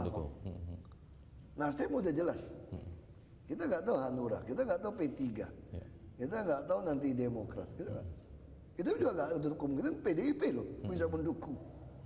nasdem udah jelas kita nggak tahu hanura kita nggak tahu p tiga kita nggak tahu nanti demokrat kita juga nggak menutup kemungkinan pdp loh bisa mendukung